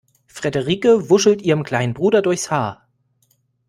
Frederike wuschelt ihrem kleinen Bruder durchs Haar.